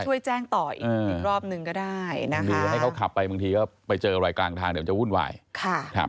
ช่วยแจ้งต่ออีกรอบหนึ่งก็ได้นะคะ